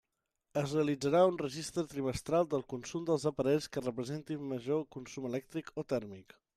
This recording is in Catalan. Es realitzarà un registre trimestral del consum dels aparells que representin major consum elèctric o tèrmic.